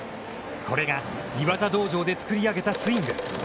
これが岩田道場で作り上げたスイング。